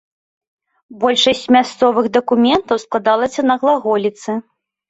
Большасць мясцовых дакументаў складалася на глаголіцы.